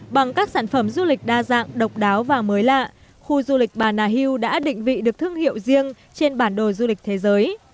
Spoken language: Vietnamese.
bằng các sản phẩm du lịch đa dạng độc đáo và mới lạ khu du lịch bà nà hill đã định vị được thương hiệu riêng trên bản đồ du lịch thế giới